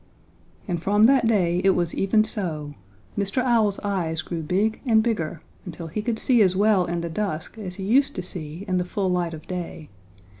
"And from that day it was even so. Mr. Owl's eyes grew big and bigger until he could see as well in the dusk as he used to see in the full light of day.